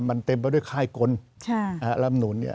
มันเต็มไปด้วยค่ายก้นรัฐธรรมนุน